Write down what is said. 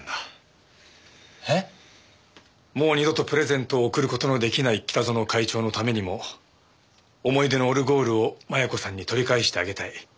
もう二度とプレゼントを贈る事の出来ない北薗会長のためにも思い出のオルゴールを摩耶子さんに取り返してあげたい。